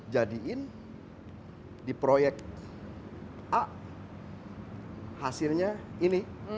jadiin di proyek a hasilnya ini